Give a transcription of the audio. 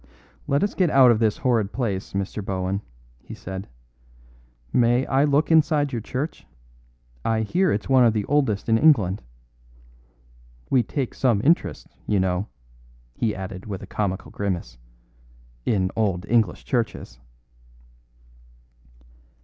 "Let us get out of this horrid place, Mr. Bohun," he said. "May I look inside your church? I hear it's one of the oldest in England. We take some interest, you know," he added with a comical grimace, "in old English churches."